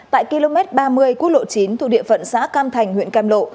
tại km ba mươi quốc lộ chín thuộc địa phận xã cam thành huyện cam lộ